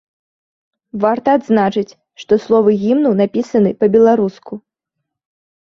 Варта адзначыць, што словы гімну напісаны па-беларуску.